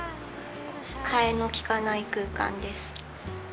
替えのきかない空間です。